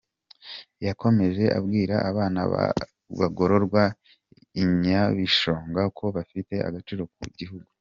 Yakomeze abwira abana bagororerwa i Nyabishongo ko bafite agaciro ku gihugu.